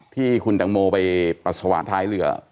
ที่คุณแตงโมไปปัสสาวะท้ายเรือ